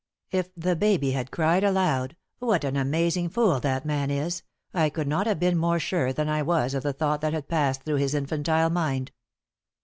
If the baby had cried aloud, "What an amazing fool that man is!" I could not have been more sure than I was of the thought that had passed through his infantile mind.